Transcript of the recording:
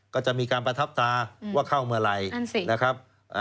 ก็จะมีการประทับตาว่าเข้าเมื่อไหร่นะครับ